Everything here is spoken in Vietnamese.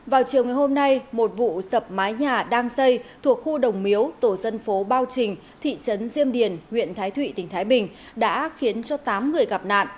vào chiều ngày hôm nay một vụ sập mái nhà đang xây thuộc khu đồng miếu tổ dân phố bao trình thị trấn diêm điền huyện thái thụy tỉnh thái bình đã khiến cho tám người gặp nạn